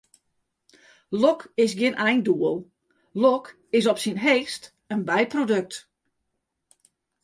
Lok is gjin eindoel, lok is op syn heechst in byprodukt.